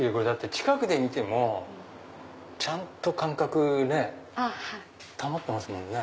近くで見てもちゃんと間隔保ってますもんね。